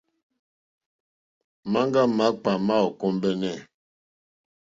Maŋga makpà ma ò kombεnε.